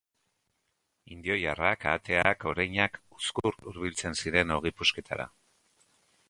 Indioilarrak, ahateak, oreinak uzkur hurbiltzen ziren ogi pusketara.